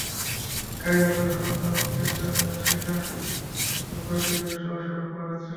গাইবান্ধা সদর থানার পুলিশ জানায়, আশিকা দুপুরে টিফিনের সময় সড়ক পার হচ্ছিল।